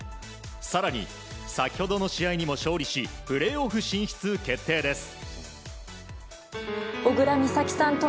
更に先ほどの試合にも勝利しプレーオフ進出決定です。